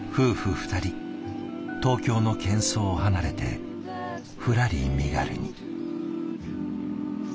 二人東京のけん騒を離れてふらり身軽に。